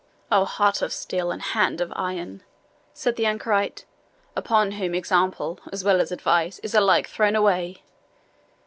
"O heart of steel, and hand of iron," said the anchoret, "upon whom example, as well as advice, is alike thrown away!